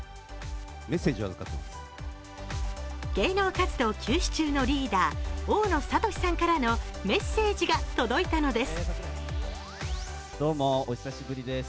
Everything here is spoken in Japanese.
芸能活動休止中のリーダー、大野智さんからのメッセージが届いたのです。